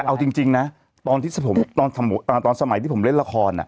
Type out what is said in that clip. แต่เอาจริงจริงน่ะตอนที่ผมตอนสมุอะตอนสมัยที่ผมเล่นละครา